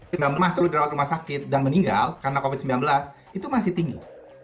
tidak masuk dirawat rumah sakit dan meninggal karena covid sembilan belas itu masih tinggi